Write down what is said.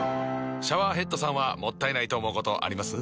シャワーヘッドさんはもったいないと思うことあります？